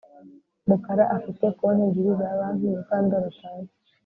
Mukara afite konti ebyiri za banki Mukandoli atazi